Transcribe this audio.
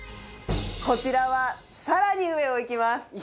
こちらは更に上をいきます。